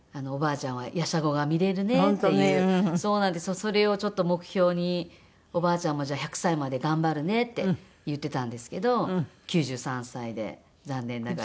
それを目標におばあちゃんも「じゃあ１００歳まで頑張るね」って言ってたんですけど９３歳で残念ながら。